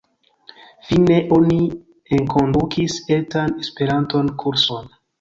Fine oni enkondukis etan Esperanto kurson.